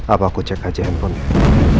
apa aku cek aja handphone dia